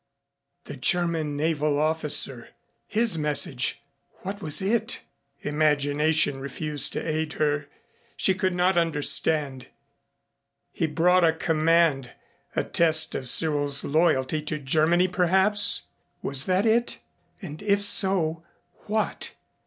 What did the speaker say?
The German naval officer! His message what was it? Imagination refused to aid her. She could not understand. He brought a command a test of Cyril's loyalty to Germany perhaps? Was that it? And if so, what?